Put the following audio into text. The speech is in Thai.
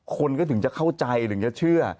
คนก็ถึงจะเข้าใจถึงจะเชื่อ